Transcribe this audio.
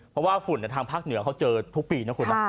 เพราะว่าฝุ่นทางภาคเหนือเจอทุกปี